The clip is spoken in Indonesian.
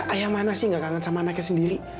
ayah mana sih gak kangen sama anaknya sendiri